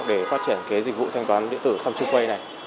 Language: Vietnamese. để phát triển dịch vụ thanh toán điện tử samsung pay này